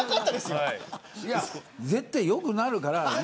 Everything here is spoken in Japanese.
絶対良くなるから。